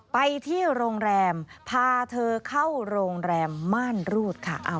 ไปที่โรงแรมพาเธอเข้าโรงแรมม่านรูดค่ะ